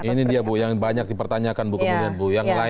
ini dia bu yang banyak dipertanyakan bu